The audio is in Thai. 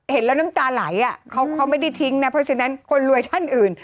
เห็นแล้วน้ำตาไหลเขาไม่ได้ทิ้งนะเพราะฉะนั้นคนรวยท่านอื่น